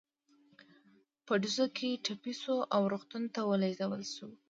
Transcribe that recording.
په ډزو کې ټپي شو او روغتون ته ولېږدول شو.